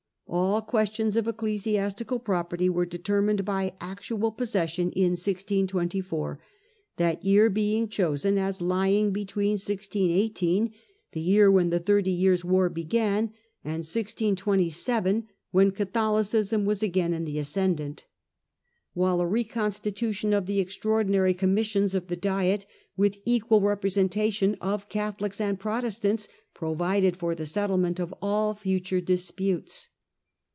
All questions of ecclesiastical property were determined by actual posses sion in 1624, that year being chosen as lying between 1618, the year when the Thirty Years* War began, and 1627, when Catholicism was again in the ascendant ; while a reconstitution of the extraordinary commissions of the Diet with equal representation of Catholics and Protestants provided for the settlement of all future disputes.